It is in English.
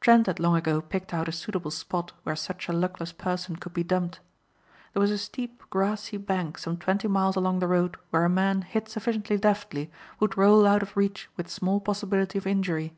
Trent had long ago picked out a suitable spot where such a luckless person could be dumped. There was a steep grassy bank some twenty miles along the road where a man hit sufficiently deftly would roll out of reach with small possibility of injury.